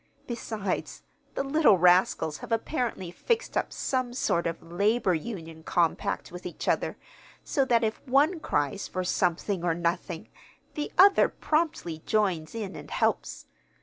Besides, the little rascals have apparently fixed up some sort of labor union compact with each other, so that if one cries for something or nothing, the other promptly joins in and helps.